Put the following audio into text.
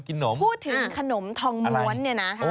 พูดถึงขนมทองม้วน